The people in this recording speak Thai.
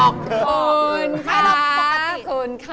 ขอบคุณครับ